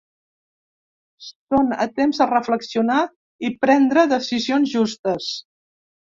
Són a temps de reflexionar i prendre decisions justes.